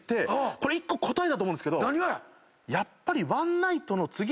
これ１個答えだと思うんですけどやっぱり。